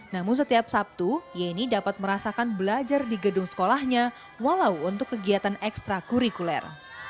namun setiap sabtu yeni dapat merasakan belajar di gedung sekolahnya walau untuk kegiatan ekstra kurikuler